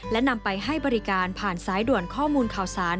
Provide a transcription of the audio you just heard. และนำไปให้บริการผ่านสายด่วนข้อมูลข่าวสาร